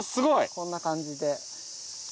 こんな感じで。